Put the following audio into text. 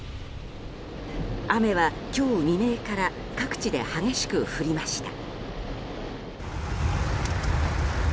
雨は今日未明から各地で激しく降りました。